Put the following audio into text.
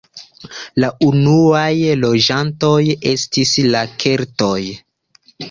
La unuaj loĝantoj estis la keltoj.